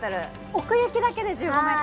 奥行きだけで１５ｍ？